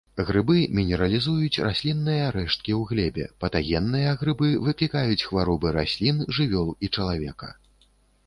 Грыбы мінералізуюць раслінныя рэшткі ў глебе, патагенныя грыбы выклікаюць хваробы раслін, жывёл і чалавека.